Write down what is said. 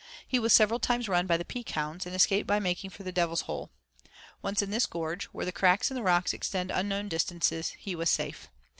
He was several times run by the Peak hounds, and escaped by making for the Devil's Hole. Once in this gorge, where the cracks in the rocks extend unknown distances, he was safe.